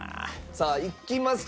さあいきますか？